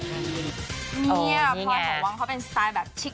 เนี่ยพลอยของวังเขาเป็นสไตล์แบบชิค